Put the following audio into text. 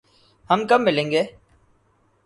ہم کب ملیں گے؟